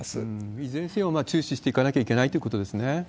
いずれにせよ、注視していかなければいけないということです